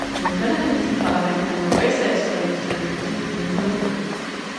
Wir können in diesem Parlament ein neues Selbstbewusstsein entwickeln und vermitteln.